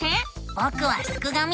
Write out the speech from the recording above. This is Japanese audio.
ぼくはすくがミ。